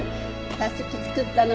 たすき作ったの。